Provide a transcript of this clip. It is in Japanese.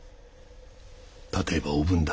例えばおぶんだ。